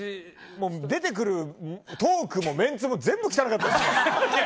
出てくるトークもメンツも全部汚かったです。